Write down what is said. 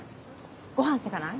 ごはんしてかない？